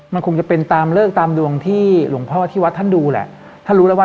มันคงจะเป็นตามเลิกตามดวงที่หลวงพ่ออธิวัฒน์ท่านดูแหละ